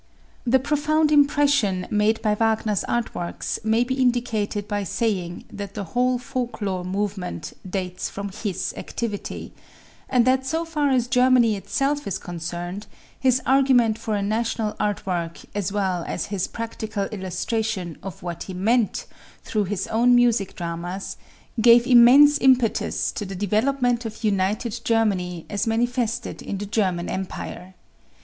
The profound impression made by Wagner's art works may be indicated by saying that the whole folk lore movement dates from his activity, and that so far as Germany itself is concerned, his argument for a national art work as well as his practical illustration of what he meant through his own music dramas, gave immense impetus to the development of united Germany as manifested in the German empire.